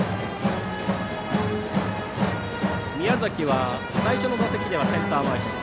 宮崎は最初の打席ではセンター前ヒット。